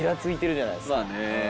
まあね。